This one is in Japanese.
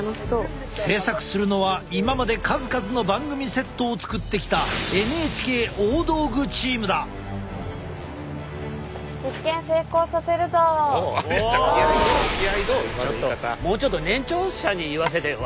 制作するのは今まで数々の番組セットを作ってきたもうちょっと年長者に言わせてよ。